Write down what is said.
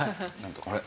あれ？